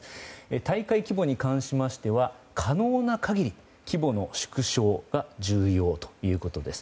大会規模に関しましては可能な限り規模の縮小が重要ということです。